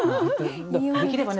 できればね